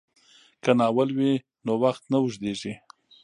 که ناول وي نو وخت نه اوږدیږي.